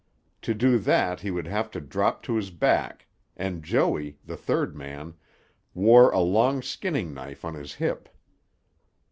To do that he would have to drop to his back, and Joey, the third man, wore a long skinning knife on his hip.